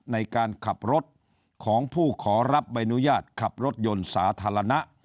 ในการขับรถของผู้ขอรับใบอนุญาตขับรถยนต์สาธารณะ